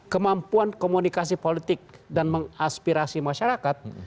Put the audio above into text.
kemampuan komunikasi politik dan mengaspirasi masyarakat